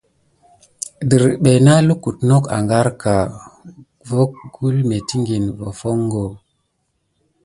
Dirɓe nā lukute not ágarka gulku metikine va hofungo.